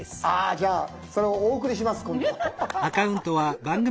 じゃあそれをお贈りします今度。